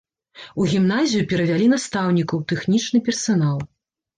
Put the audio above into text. У гімназію перавялі настаўнікаў, тэхнічны персанал.